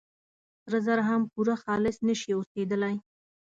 سره زر هم پوره خالص نه شي اوسېدلي.